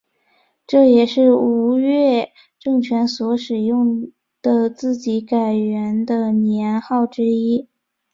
这也是吴越政权所使用的自己改元的年号之一。